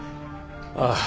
ああ。